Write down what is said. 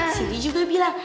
sidi juga bilang